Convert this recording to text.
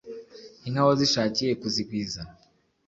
inka wazishakiye kuzigwiza.